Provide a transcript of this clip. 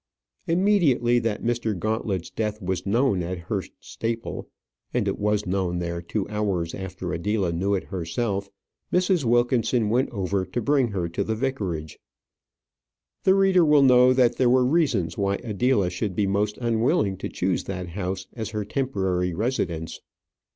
Immediately that Mr. Gauntlet's death was known at Hurst Staple and it was known there two hours after Adela knew it herself Mrs. Wilkinson went over to bring her to the vicarage. The reader will know that there were reasons why Adela should be most unwilling to choose that house as her temporary residence.